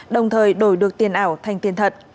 đồng thời đổi được tiền ảo thành tiền thật